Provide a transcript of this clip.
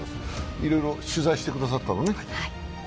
いろいろ取材してくださったのね。